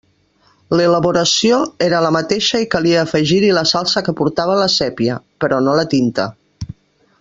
L'elaboració era la mateixa i calia afegir-hi la salsa que portava la sépia —però no la tinta.